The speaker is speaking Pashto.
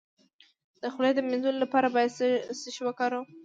د خولې د مینځلو لپاره باید څه شی وکاروم؟